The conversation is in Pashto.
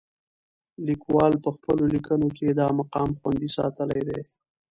لیکوال په خپلو لیکنو کې دا مقام خوندي ساتلی.